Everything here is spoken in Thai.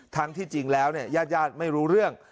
ทั้งที่จริงแล้วเนี่ยยาดไม่รู้เรื่อง